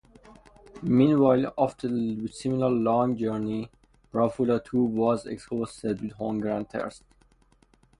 Meanwhile, after a similar long journey, Prafulla, too, was exhausted with hunger and thirst.